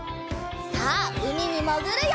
さあうみにもぐるよ！